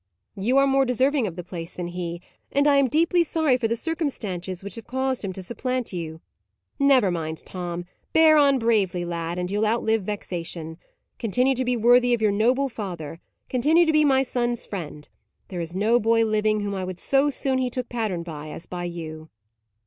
"You are more deserving of the place than he, and I am deeply sorry for the circumstances which have caused him to supplant you. Never mind, Tom; bear on bravely, lad, and you'll outlive vexation. Continue to be worthy of your noble father; continue to be my son's friend; there is no boy living whom I would so soon he took pattern by, as by you."